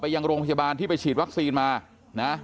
พี่สาวของเธอบอกว่ามันเกิดอะไรขึ้นกับพี่สาวของเธอ